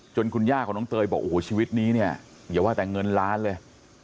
คุณย่าของน้องเตยบอกโอ้โหชีวิตนี้เนี่ยอย่าว่าแต่เงินล้านเลย